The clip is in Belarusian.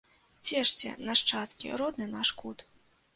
Цешце, нашчадкі, родны наш кут!